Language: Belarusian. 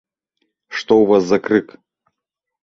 Што ў вас за крык?